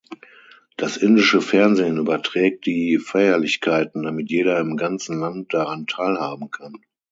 Das indische Fernsehen überträgt die Feierlichkeiten, damit jeder im ganzen Land daran teilhaben kann.